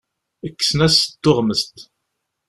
Kksen-as-d tuɣmest.